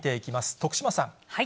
徳島さん。